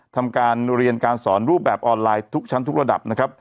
ทำการเรียนการสอนรูปแบบออนไลน์ทุกชั้นทุกระดับนะครับ